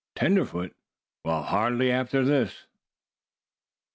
"TENDERFOOT? WELL, HARDLY, AFTER THIS."